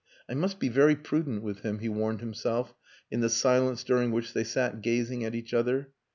"I must be very prudent with him," he warned himself in the silence during which they sat gazing at each other.